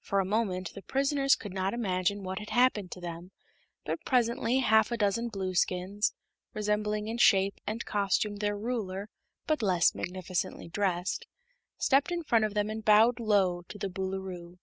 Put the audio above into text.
For a moment the prisoners could not imagine what had happened to them, but presently half a dozen Blueskins, resembling in shape and costume their ruler but less magnificently dressed, stepped in front of them and bowed low to the Boolooroo.